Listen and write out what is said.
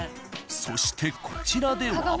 そしてこちらでは。